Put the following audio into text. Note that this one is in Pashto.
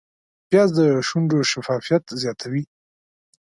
پیاز د شونډو شفافیت زیاتوي